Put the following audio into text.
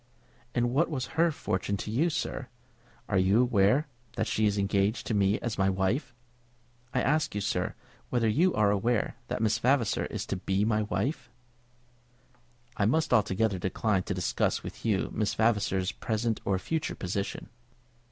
"And what was her fortune to you, sir? Are you aware that she is engaged to me as my wife? I ask you, sir, whether you are aware that Miss Vavasor is to be my wife?" "I must altogether decline to discuss with you Miss Vavasor's present or future position."